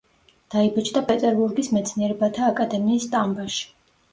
დაიბეჭდა პეტერბურგის მეცნიერებათა აკადემიის სტამბაში.